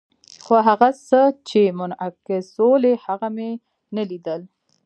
خو هغه څه چې منعکسول یې، هغه مې نه لیدل.